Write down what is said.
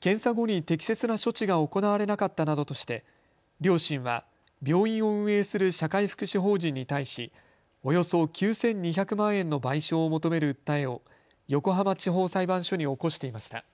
検査後に適切な処置が行われなかったなどとして両親は病院を運営する社会福祉法人に対しおよそ９２００万円の賠償を求める訴えを横浜地方裁判所に起こしていました。